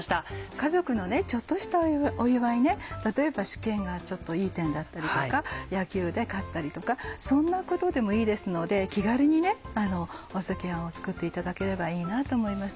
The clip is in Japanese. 家族のちょっとしたお祝いね例えば試験がいい点だったりとか野球で勝ったりとかそんなことでもいいですので気軽に赤飯を作っていただければいいなと思います。